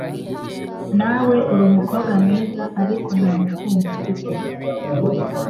Nawe uri umukobwa mwiza ariko nta mukunzi ufite